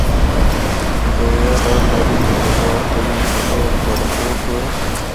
دویا راہ مری، مظفرآباد، گڑھی حبیب اللہ ہور بالاکوٹ تو اے۔